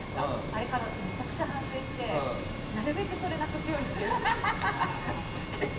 あれからめちゃくちゃ反省してなるべくそれをなくすようにしてるんですよね。